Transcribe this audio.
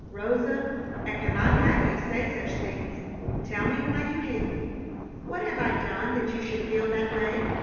"Rosa, I cannot have you say such things. Tell me why you hate me? What have I done that you should feel that way?